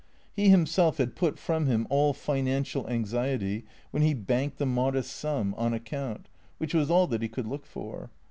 He himself had put from him all financial anxiety when he banked the modest sum, " on account," which was all that he could look for.